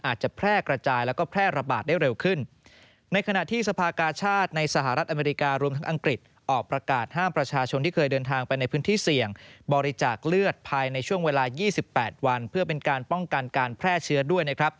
อาจจะแพร่กระจายและแพร่ระบาดได้เร็วขึ้น